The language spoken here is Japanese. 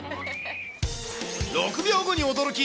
６秒後に驚き！